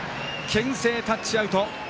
けん制タッチアウト。